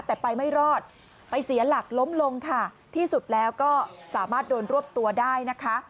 แต่ไปไม่รอดไปเสียหลักล้มลงค่ะที่สุดแล้วก็สามารถโดนรวบตัวได้นะคะ